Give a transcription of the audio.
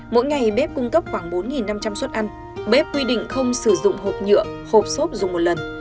mỗi ngày bếp cung cấp khoảng bốn năm trăm linh suất ăn bếp quy định không sử dụng hộp nhựa hộp xốp dùng một lần